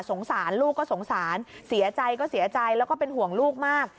สงสารลูกก็สงสารเสียใจก็เสียใจแล้วก็เป็นห่วงลูกมาก